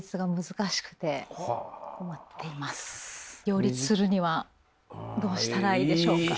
両立するにはどうしたらいいでしょうか？